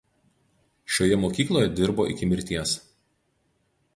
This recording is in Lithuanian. Šioje mokykloje dirbo iki mirties.